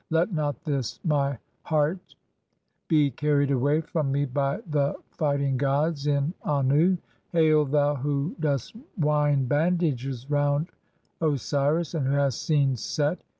Let not "this my heart (hatij be carried away from me by (3) the fight "ing gods in Annu. Hail, thou who dost wind bandages round "Osiris and who hast seen Set!